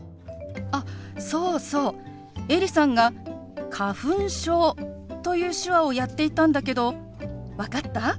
あそうそうエリさんが「花粉症」という手話をやっていたんだけど分かった？